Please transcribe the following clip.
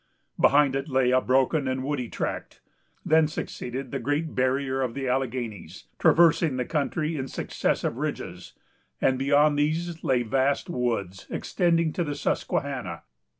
Behind it lay a broken and woody tract; then succeeded the great barrier of the Alleghanies, traversing the country in successive ridges; and beyond these lay vast woods, extending to the Susquehanna.